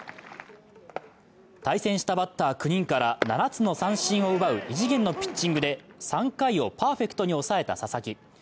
対戦したバッター９人から７つの三振を奪う異次元のピッチングで３回をパーフェクトに抑えた佐々木。